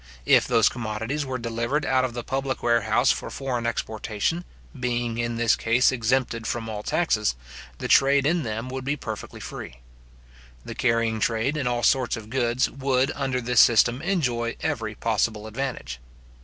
If those commodities were delivered out of the public warehouse for foreign exportation, being in this case exempted from all taxes, the trade in them would be perfectly free. The carrying trade, in all sorts of goods, would, under this system, enjoy every possible advantage.